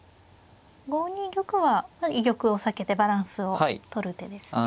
５二玉は居玉を避けてバランスをとる手ですね。